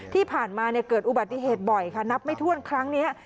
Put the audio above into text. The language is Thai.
ที่ผ่านมาเกิดอุบัติเหตุบ่อยค่ะนับไม่ถ้วนครั้งนี้